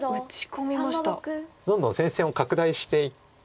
どんどん戦線を拡大していってます。